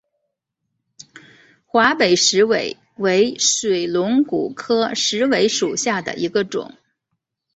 华北石韦为水龙骨科石韦属下的一个种。